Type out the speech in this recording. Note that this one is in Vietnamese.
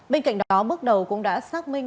bên cạnh đó mức đầu cũng đã xác minh